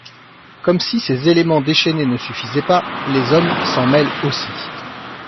Comme si ces éléments déchaînés ne suffisaient pas, les hommes s'en mêlent aussi.